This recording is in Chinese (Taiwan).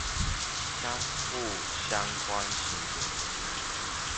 將負相關刑責